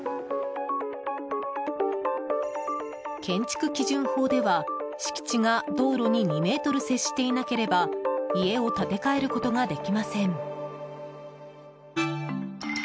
建築基準法では敷地が道路に２ｍ接していなければ家を建て替えることができません。